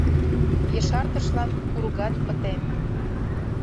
Ешартышлан кургат пытен.